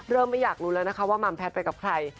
ไม่อยากรู้แล้วนะคะว่ามัมแพทย์ไปกับใคร